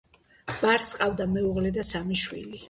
ბარს ჰყავს მეუღლე და სამი შვილი.